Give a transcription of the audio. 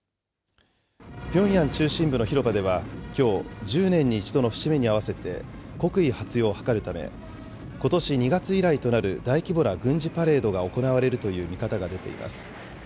ピョンヤン中心部の広場では、きょう、１０年に一度の節目に合わせて国威発揚を図るため、ことし２月以来となる大規模な軍事パレードが行われるという見方が出ています。